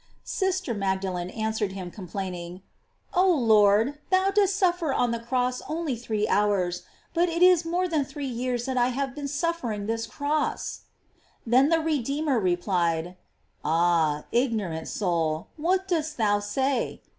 Sister Magdalene answered him complainingly: "Oh Lord, thou didst suffer on the cross only three hours, but it is more than three years that I have been suffering this cross." Then the Redeemer replied: "Ah! ignorant soul, what dost thou say?